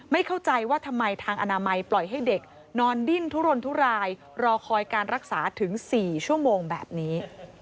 ไม่เข้าใจว่าทำไมทางอนามัยปล่อยให้เด็กนอนดิ้นทุรนทุรายรอคอยการรักษาถึง๔ชั่วโมงแบบนี้